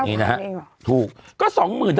โอ้ย๙๐๐๐เองหรอถูกแล้ว๙๐๐๐เองหรอ